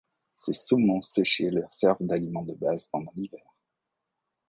Ces saumons séchés leur servent d'aliment de base pendant l'hiver.